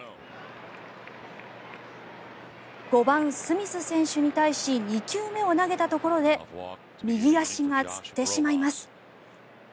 ５番、スミス選手に対し２球目を投げたところで右足がつってしまいます。